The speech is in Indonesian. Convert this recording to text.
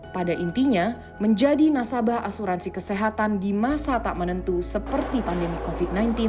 pada intinya menjadi nasabah asuransi kesehatan di masa tak menentu seperti pandemi covid sembilan belas